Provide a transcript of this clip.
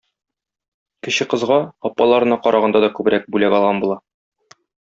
Кече кызга апаларына караганда да күбрәк бүләк алган була.